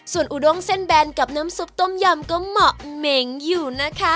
ส่วนอุดงเส้นแบนกับน้ำซุปต้มยำก็เหมาะเหม็งอยู่นะคะ